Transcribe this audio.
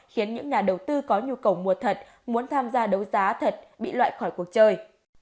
khiến những nhà đầu tư có nhu cầu mua thật muốn tham gia đấu giá thật bị loại khỏi cuộc chơi